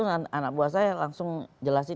anak buah saya langsung jelasin